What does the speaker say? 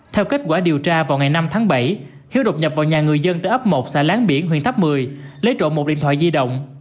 theo kết quả điều tra vào ngày năm tháng bảy hiếu đột nhập vào nhà người dân tại ấp một xã láng biển huyện tháp một mươi lấy trộm một điện thoại di động